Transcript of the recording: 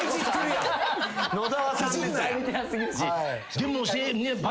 でも。